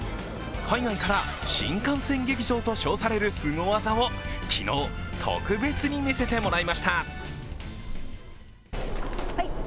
海外から新幹線劇場と称されるすご技を昨日、特別に見せてもらいました。